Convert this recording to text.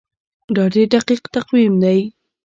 دا ډیر دقیق تقویم دی.